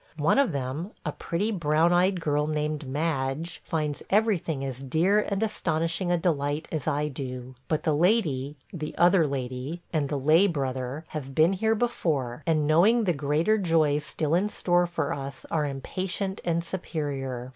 One of them, a pretty brown eyed girl named Madge, finds everything as dear and astonishing a delight as do I; but the Lady – the Other Lady – and the Lay Brother have been here before, and, knowing the greater joys still in store for us, are impatient and superior.